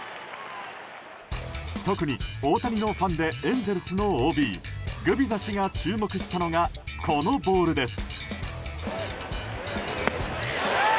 特に、大谷のファンでエンゼルスのＯＢグビザ氏が注目したのがこのボールです。